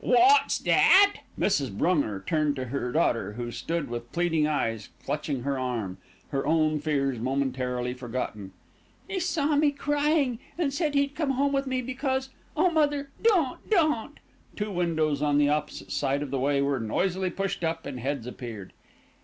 "What's that?" Mrs. Brunger turned to her daughter, who stood with pleading eyes clutching her arm, her own fears momentarily forgotten. "He saw me crying and said he'd come home with me because Oh, mother, don't! don't!" Two windows on the opposite side of the way were noisily pushed up, and heads appeared.